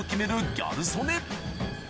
ギャル曽根